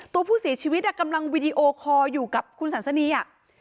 ตัวผู้เสียชีวิตกำลังวีดีโอคอร์อยู่กับคุณสันสนีอ่ะ